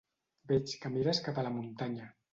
Veig que mires cap a la muntanya.